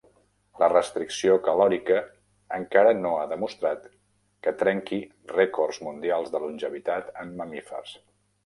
La restricció calòrica encara no ha demostrat que trenqui records mundials de longevitat en mamífers.